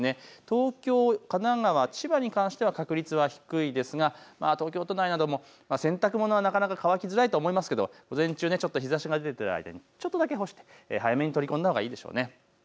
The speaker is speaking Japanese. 東京、神奈川、千葉に関しては確率は低いですが東京都内なども洗濯物、なかなか乾きづらいと思いますけど午前中、ちょっと日ざしが出ている間にちょっとだけ干して早めに取り込んだほうがいいでしょう。